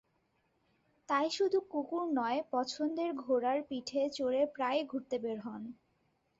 তাই শুধু কুকুর নয়, পছন্দের ঘোড়ার পিঠে চড়ে প্রায়ই ঘুরতে বের হন।